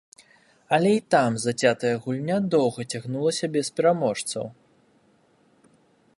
Але і там зацятая гульня доўга цягнулася без пераможцаў.